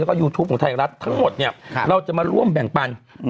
แล้วก็ยูทูปของไทยรัฐทั้งหมดเนี่ยเราจะมาร่วมแบ่งปัน